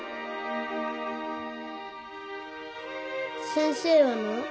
先生はな